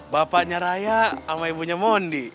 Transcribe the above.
bapaknya raya sama ibunya mondi